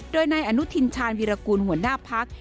โดยในอนุทินชาญวิรากูลหัวหน้าภักดิ์